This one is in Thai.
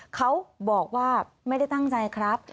เขาบอกว่าไม่ได้ตั้งใจครับ